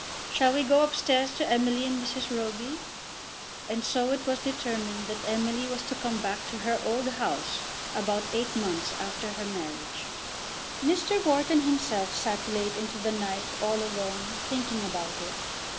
Shall we go upstairs to Emily and Mrs. Roby?" And so it was determined that Emily was to come back to her old house about eight months after her marriage. Mr. Wharton himself sat late into the night, all alone, thinking about it.